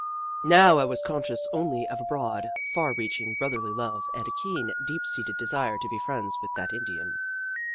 Now I was conscious only of a broad, far reaching brotherly love, and a keen, deep seated desire to be friends with that Indian.